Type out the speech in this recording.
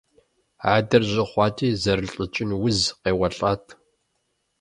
Адэр жьы хъуати зэрылӀыкӀын уз къеуэлӀат.